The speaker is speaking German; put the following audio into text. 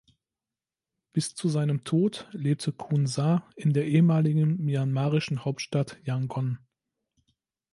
Bis zu seinem Tod lebte Khun Sa in der ehemaligen myanmarischen Hauptstadt Yangon.